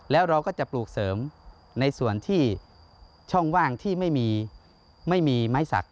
แล้วเราก็จะปลูกเสริมในส่วนที่ช่องว่างที่ไม่มีไม้สัก